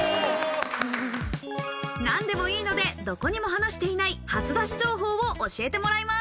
何でもいいので、どこにも話していない初出し情報を教えてもらいます。